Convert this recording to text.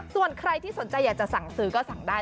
ส่วนใครที่สนใจอยากจะสั่งซื้อก็สั่งได้